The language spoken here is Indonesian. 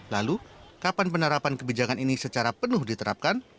lalu kapan penerapan kebijakan ini secara penuh diterapkan